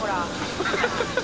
ハハハハ！